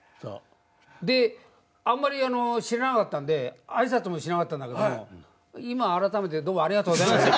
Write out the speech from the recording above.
であんまり知らなかったんで挨拶もしなかったんだけど今あらためてどうもありがとうございました。